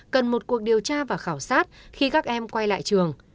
cần một cuộc điều tra và khảo sát khi các em quay lại trường